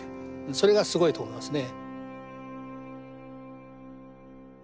それがすごいと思いますね。